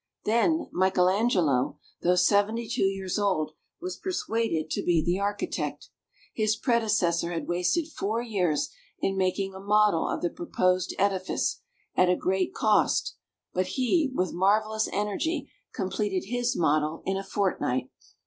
Then Michael Angelo, though seventy two years old, was persuaded to be the architect. His predecessor had wasted four years in making a model of the proposed edifice, at a great cost, but he, with marvellous energy, completed his model in a fortnight.